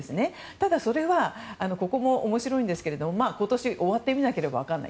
ただそれはここも面白いんですが今年が終わってみなければ分からない。